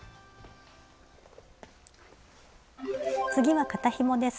次は肩ひもです。